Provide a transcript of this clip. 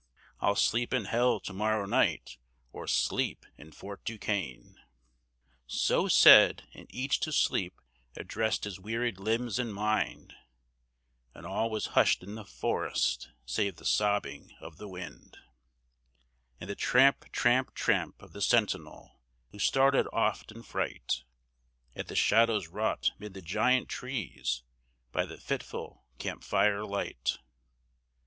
I'll sleep in hell to morrow night, or sleep in Fort Duquesne!" So said: and each to sleep addressed his wearied limbs and mind, And all was hushed i' the forest, save the sobbing of the wind, And the tramp, tramp, tramp of the sentinel, who started oft in fright At the shadows wrought 'mid the giant trees by the fitful camp fire light.